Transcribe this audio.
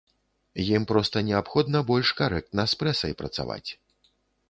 Ім проста неабходна больш карэктна з прэсай працаваць.